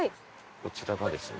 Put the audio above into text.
こちらがですね。